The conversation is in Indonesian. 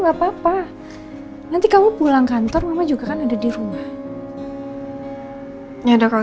gak boleh lama lama marahnya